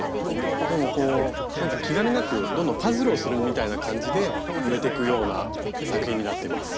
でもこうなんか気兼ねなくどんどんパズルをするみたいな感じで埋めてくような作品になってます。